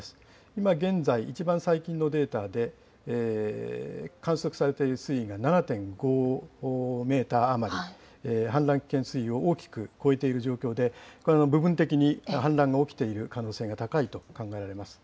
今現在、一番最近のデータで、観測されている水位が７．５メートル余り、氾濫危険水位を大きく超えている状況で、これは部分的に氾濫が起きている可能性が高いと考えられます。